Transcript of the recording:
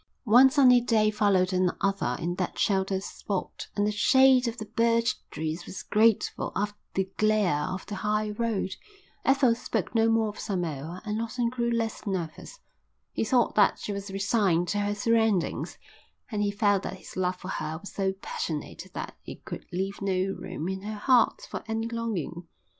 One sunny day followed another in that sheltered spot, and the shade of the birch trees was grateful after the glare of the high road. Ethel spoke no more of Samoa and Lawson grew less nervous. He thought that she was resigned to her surroundings, and he felt that his love for her was so passionate that it could leave no room in her heart for any longing.